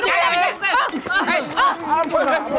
sekarang kita terus buka